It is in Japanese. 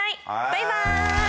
バイバーイ！